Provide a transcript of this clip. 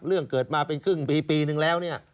เรื่องเกิดมาเป็นครึ่งปีปีนึงแล้วเนี่ย